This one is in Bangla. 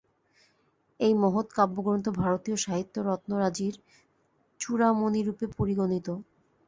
এই মহৎ কাব্যগ্রন্থ ভারতীয় সাহিত্যরত্নরাজির চূড়ামণিরূপে পরিগণিত।